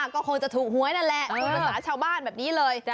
ก็คงจะถูกหวยนั่นแหละพูดภาษาชาวบ้านแบบนี้เลย